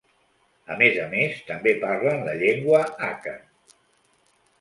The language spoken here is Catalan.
A més a més, també parlen la llengua àkan.